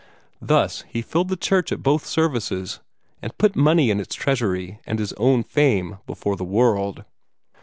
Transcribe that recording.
Thus he filled the church at both services, and put money in its treasury and his own fame before the world.